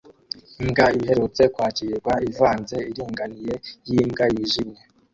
Imbwa iherutse kwakirwa ivanze iringaniye yimbwa yishimye